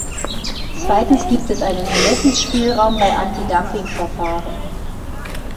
Zweitens gibt es einen Ermessensspielraum bei Antidumpingverfahren.